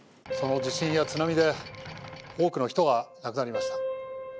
その地震や津波で多くの人が亡くなりました。